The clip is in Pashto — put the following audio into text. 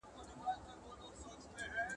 • په مرگ ئې و نيسه، په تبه ئې راضي که.